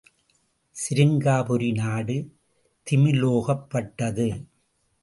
சிருங்காரபுரி நாடு திமிலோகப்பட்டது!